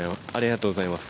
◆ありがとうございます。